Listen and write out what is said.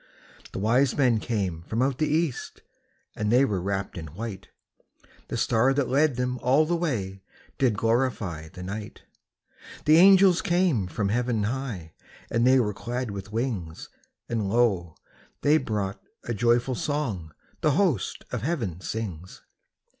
The wise men came from out the east, And they were wrapped in white; The star that led them all the way Did glorify the night. The angels came from heaven high, And they were clad with wings; And lo, they brought a joyful song The host of heaven sings.